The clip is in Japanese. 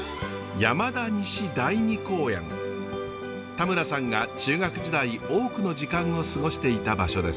田村さんが中学時代多くの時間を過ごしていた場所です。